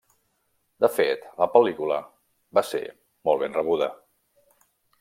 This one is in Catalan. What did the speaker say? De fet, la pel·lícula va ser molt ben rebuda.